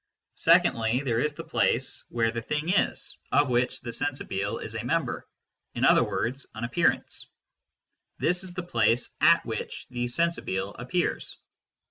Secondly there is the place where the thing is of which the " sen sibile " is a member, in other words an appearance ; this is the place at which the " sensibile " appears.